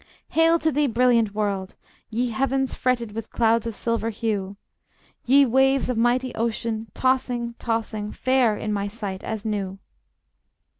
Hail to thee, brilliant world! Ye heavens fretted With clouds of silver hue! Ye waves of mighty ocean, tossing, tossing, Fair in my sight as new!